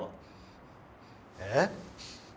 えっ？